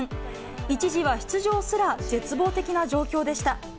一時は出場すら絶望的な状況でした。